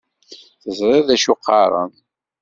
Teẓriḍ d acu qqaren.